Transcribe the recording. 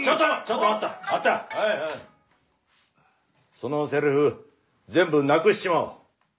そのセリフ全部なくしちまおう。